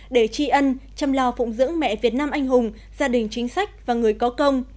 để tri ân chăm lo phụng dưỡng mẹ việt nam anh hùng gia đình chính sách và người có công